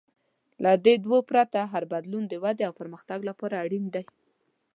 له دې دوو پرته، هر بدلون د ودې او پرمختګ لپاره اړین دی.